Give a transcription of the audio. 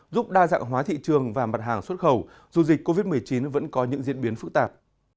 giúp đa dạng hóa thị trường và mặt hàng xuất khẩu dù dịch covid một mươi chín vẫn có những diễn biến phức tạp